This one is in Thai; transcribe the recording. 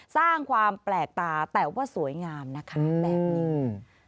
สร้างความแปลกตาแต่ว่าสวยงามนะคะแบบนี้อืม